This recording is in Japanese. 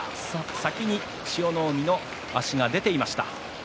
先に千代の海の足が出ていました。